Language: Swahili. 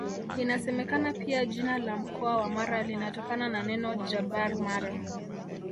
Inasemekana pia jina la mkoa wa Mara linatokana na neno Jabar Mara